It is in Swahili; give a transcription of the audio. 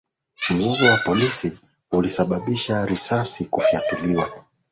mzozo wa polisi ulisababisha risasi kufyatuliwa